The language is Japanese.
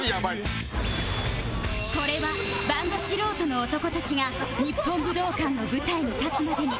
これはバンド素人の男たちが日本武道館の舞台に立つまでに